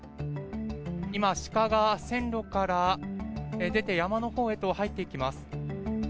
今、シカが線路から出て山のほうへと入っていきます。